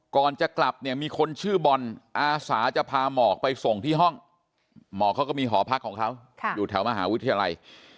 ก่อนจะกลับเนี่ยมีคนชื่อบอลอาสาจะพาหมอกไปส่งที่ห้องหมอกเขาก็มีหอพักของเขาอยู่แถวมหาวิทยาลัย